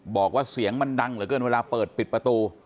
บอกว่าเสียงมันดังเหลือเกินเวลาเปิดปิดประตู